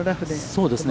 そうですね。